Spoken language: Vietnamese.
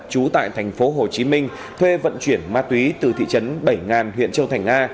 trú tại thành phố hồ chí minh thuê vận chuyển ma túy từ thị trấn bảy ngàn huyện châu thành nga